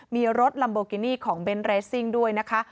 มีรถลัมโบกินี่ของเบนท์เรสซิ่งด้วยนะคะ